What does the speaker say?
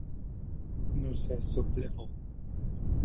No se sublevó.